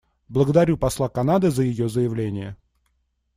Благодарю посла Канады за ее заявление.